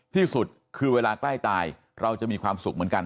ที่สุดคือเวลาใกล้ตายเราจะมีความสุขเหมือนกัน